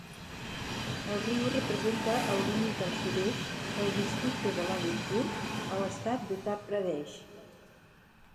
El riu representa el límit al sud-est del districte de Lalitpur, a l'estat d'Uttar Pradesh.